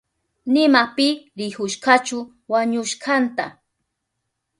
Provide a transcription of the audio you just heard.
Nima pi rikushkachu wañushkanta.